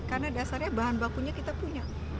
karena dasarnya bahan bakunya kita punya